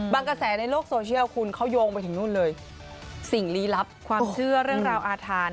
กระแสในโลกโซเชียลคุณเขาโยงไปถึงนู่นเลยสิ่งลี้ลับความเชื่อเรื่องราวอาถรร